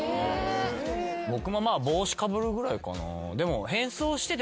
僕も帽子かぶるぐらいかな。